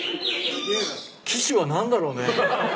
機種は何だろうね？